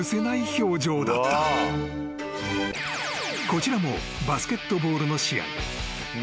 ［こちらもバスケットボールの試合］